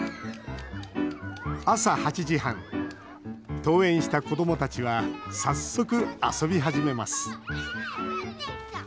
登園した子どもたちは早速、遊び始めます。